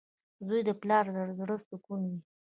• زوی د پلار د زړۀ سکون وي.